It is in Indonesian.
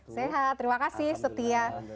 sehat terima kasih setia